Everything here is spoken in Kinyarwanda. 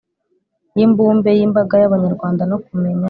y’imbumbe y’imbaga y’Abanyarwanda, no kumenya